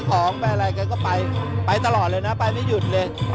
ของไปอะไรแกก็ไปไปตลอดเลยนะไปไม่หยุดเลย